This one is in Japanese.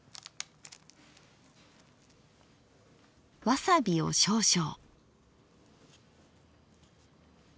わさびを少々。